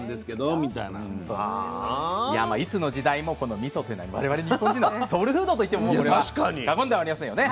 いつの時代もこのみそというのは我々日本人のソウルフードといっても過言ではありませんよね。